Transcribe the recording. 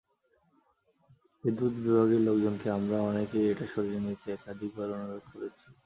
বিদ্যুৎ বিভাগের লোকজনকে আমরা অনেকেই এটা সরিয়ে নিতে একাধিকবার অনুরোধ করেছি।